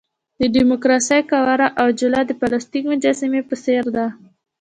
د ډیموکراسۍ قواره او جوله د پلاستیکي مجسمې په څېر ده.